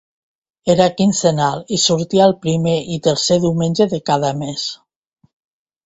Era quinzenal i sortia el primer i tercer diumenge de cada mes.